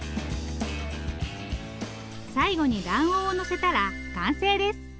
最後に卵黄をのせたら完成です。